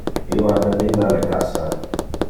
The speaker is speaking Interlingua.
Io aperiva le cassa.